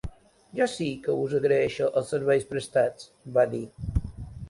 Jo sí que us agraeixo els serveis prestats, va dir.